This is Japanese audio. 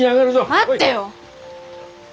待ってよ！